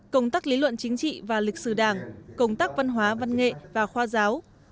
công tác lý luận chính trị và lịch sử đảng công tác văn hóa văn nghệ và khoa giáo